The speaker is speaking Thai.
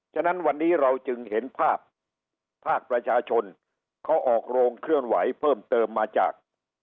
ฉะนั้นวันนี้เราจึงเห็นภาพภาคประชาชนเขาออกโรงเคลื่อนไหวเพิ่มเติมมาจาก